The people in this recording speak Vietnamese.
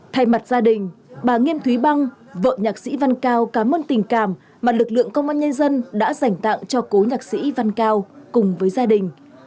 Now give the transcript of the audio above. thay mặt gia đình bà nghiêm thúy băng vợ nhạc sĩ văn cao cảm ơn tình cảm mà lực lượng công an nhân dân đã dành tặng cho cố nhạc sĩ văn cao cùng với gia đình